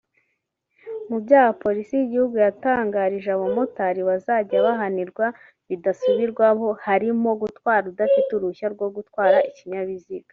Mu byaha Polisi y’igihugu yatangarije abamotari bazajya bahanirwa bidasubirwaho harimo Gutwara udafite uruhushya rwo gutwara ikinyabiziga